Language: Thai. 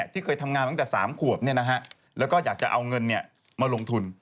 ตั้งแต่๓ขวบแล้วก็อยากจะเอาเงินมาลงทุน